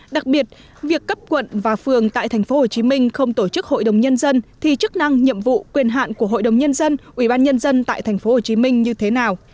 đặc biệt việc cấp quận và phường tại tp hcm không tổ chức hội đồng nhân dân thì chức năng nhiệm vụ quyền hạn của hội đồng nhân dân ubnd tại tp hcm như thế nào